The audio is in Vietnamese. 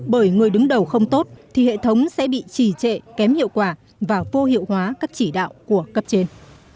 bởi người đứng đầu không tốt thì hệ thống sẽ bị trì trệ kém hiệu quả và vô hiệu hóa các chỉ đạo của cấp trên